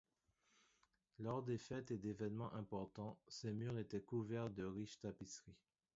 Lors des fêtes et d'événements importants, ses murs étaient couverts de riches tapisseries.